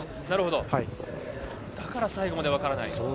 なるほど、だから最後まで分からないと。